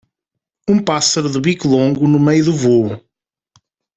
Um pássaro de bico longo no meio do vôo.